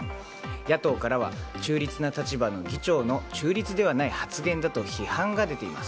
野党からは中立な立場の議長の中立ではない発言だと批判が出ています。